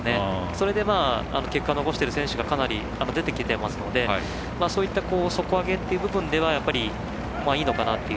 それで結果を残している選手がかなり出てきてますのでそういった底上げっていう部分ではいいのかなという。